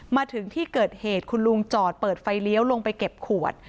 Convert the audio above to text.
มาถึงที่เกิดเหตุคุณลุงจอดเปิดไฟเลี้ยวลงไปเก็บขวด